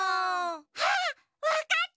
あっわかった！